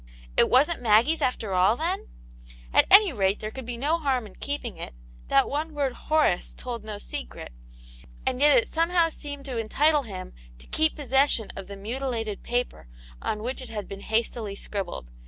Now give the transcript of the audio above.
It wasn't Maggie's after all, then } At any rate there could be no harm in keeping it ; that one word "Horace" told no secret, and yet it somehow seemed to entitle him to keep possession of the mutilated paper on which it had been hastily scribbled.